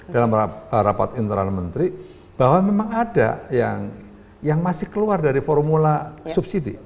dalam rapat internal menteri bahwa memang ada yang masih keluar dari formula subsidi